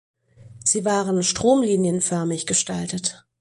Sie waren stromlinienförmig gestaltet.